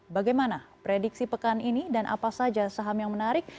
bagaimana prediksi pekan ini dan apa saja saham yang menarik